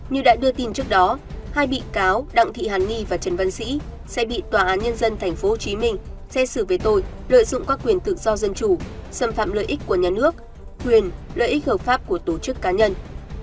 như đã đưa tin trước đó hai bị cáo đặng thị hàn ni và trần văn sĩ sẽ bị tòa án nhân dân tp hcm xét xử về tội lợi dụng các quyền tự do dân chủ xâm phạm lợi ích của nhà nước quyền lợi ích hợp pháp của tổ chức cá nhân